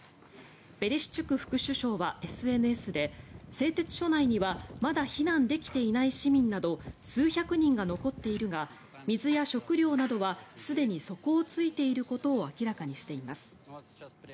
ベレシュチュク副首相はＳＮＳで製鉄所内にはまだ避難できていない市民など数百人が残っているが水や食料などはすでに底を突いていることを明らかにしています。